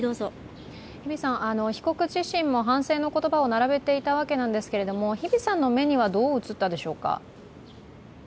被告自身も反省の言葉を並べていたんですけれども日比さんの目にはどう映ったでしょうか。